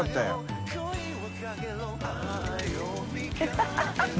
ハハハ